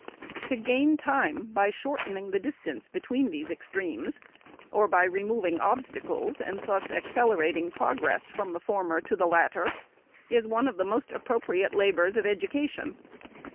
To gain time, by shortening the distance between these extremes, or by removing obstacles and thus accelerating progress from the former to the latter, is one of the most appro priate labors of education.